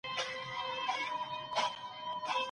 که هلک مشر وي، نو هيڅ مشکل نه پيدا کيږي.